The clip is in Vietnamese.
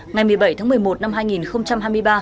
ngày một mươi bảy tháng một mươi một năm hai nghìn hai mươi ba